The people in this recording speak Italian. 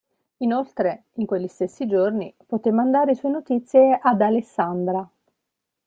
Inoltre in quegli stessi giorni potè mandare sue notizie a Alessandra.